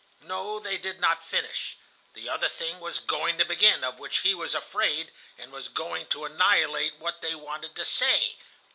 "No, they did not finish. That other thing was going to begin, of which he was afraid, and was going to annihilate what they wanted to say.